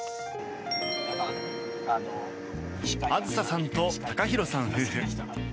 あずささんと貴大さん夫婦。